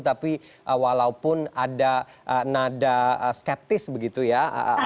tapi walaupun ada nada skeptis begitu ya